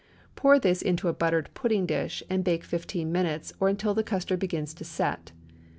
Pour this into a buttered pudding dish and bake fifteen minutes, or until the custard begins to "set."